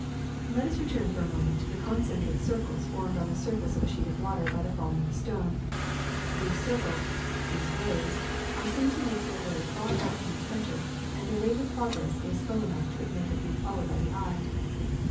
^'Let us return for a moment to the concentric cir cles formed on the surface of a sheet of water by the falling of a stone. These circles, these waves, are seen to make their way far out from the center, and their rate of progress is slow enough to admit of being followed by the eye.